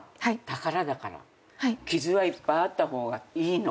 傷はいっぱいあった方がいいの。